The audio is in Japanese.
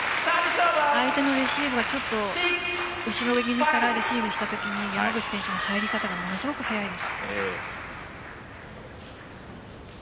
相手のレシーブがちょっと後ろ気味からレシーブしたとき山口選手の入り方がものすごく速いです。